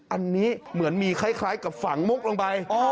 อันนี้เหมือนมีคล้ายกับฝังมุกลงไป